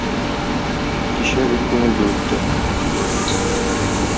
Кичә бик күңелле үтте.